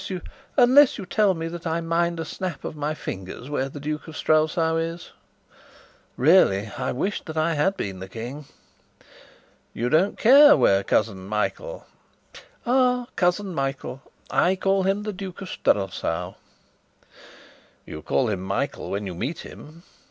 "Unless you tell me that I mind a snap of my fingers where the Duke of Strelsau is." Really, I wished that I had been the King. "You don't care where cousin Michael " "Ah, cousin Michael! I call him the Duke of Strelsau." "You call him Michael when you meet him?"